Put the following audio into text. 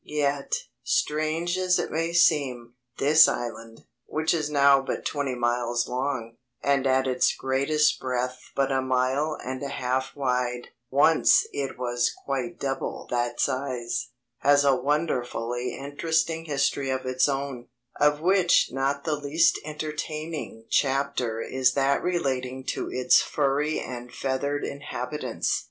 Yet, strange as it may seem, this island, which is now but twenty miles long, and at its greatest breadth but a mile and a half wide—once it was quite double that size—has a wonderfully interesting history of its own, of which not the least entertaining chapter is that relating to its furry and feathered inhabitants.